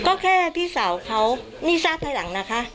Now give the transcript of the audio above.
ก็แค่พี่สาวเค้านี่ทราปที่ถึงหลังนะคะ